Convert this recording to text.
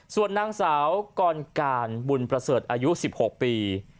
ส่วนนางสาวกรการบุญประเสริฐอายุ๑๖ปี